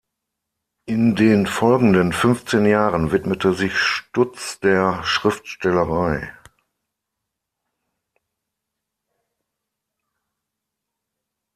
In den folgenden fünfzehn Jahren widmete sich Stutz der Schriftstellerei.